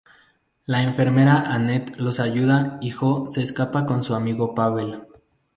La enfermera Annette los ayuda y Jo se escapa con su amigo Pavel.